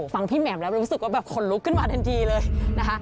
พี่แหม่มแล้วรู้สึกว่าแบบขนลุกขึ้นมาทันทีเลยนะคะ